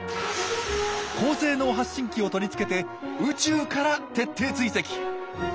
高性能発信機を取り付けて宇宙から徹底追跡！